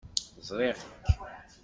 Ẓriɣ-k.